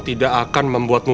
tidak akan membuatmu